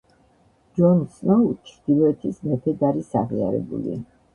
ჯონ სნოუ ჩრდილოეთის მეფედ არის აღიარებული.